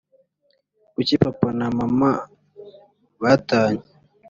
kuki papa na mama batanye ‽